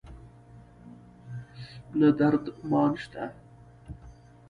نه درد مان شته